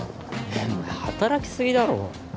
お前働き過ぎだろ。